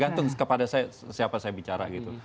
tergantung kepada saya siapa saya bicara gitu